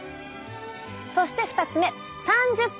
そして２つ目３０回！